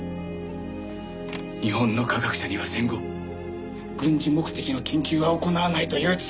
日本の科学者には戦後軍事目的の研究は行わないという誓いがあるはず。